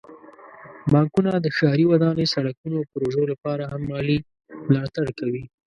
بانکونه د ښاري ودانۍ، سړکونو، او پروژو لپاره هم مالي ملاتړ کوي.